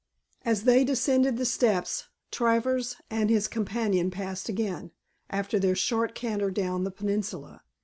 As they descended the steps Travers and his companion passed again, after their short canter down the peninsula.